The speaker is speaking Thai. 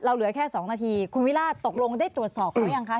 เราเหลือแค่สองนาทีคุณวิราชตกลงได้ตรวจสอบเขายังคะ